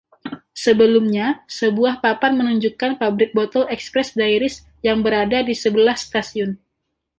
Sebelumnya, sebuah papan menunjukkan pabrik botol Express Dairies yang berada di sebelah stasiun.